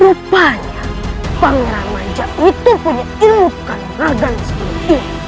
rupanya pangeran majap itu punya ilmu kemerdekaan sepenuhnya